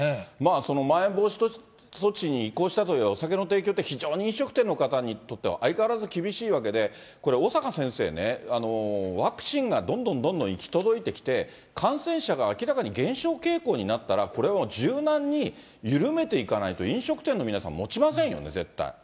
まん延防止措置に移行したといえ、お酒の提供って、非常に飲食店の方にとっては相変わらず厳しいわけで、これ、小坂先生ね、ワクチンがどんどんどんどん行き届いてきて、感染者が明らかに減少傾向になったら、これはもう柔軟に緩めていかないと、飲食店の皆さん、もちませんよね、絶対。